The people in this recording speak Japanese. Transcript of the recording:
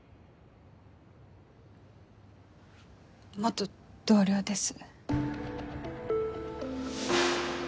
元同僚です。